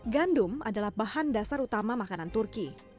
gandum adalah bahan dasar utama makanan turki